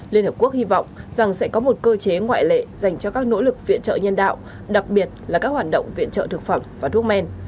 liên hợp quốc hy vọng rằng sẽ có một cơ chế ngoại lệ dành cho các nỗ lực viện trợ nhân đạo đặc biệt là các hoạt động viện trợ thực phẩm và thuốc men